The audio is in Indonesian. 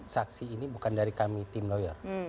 saksi ini bukan dari kami tim lawyer